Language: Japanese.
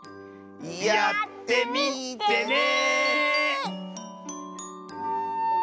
やってみてね！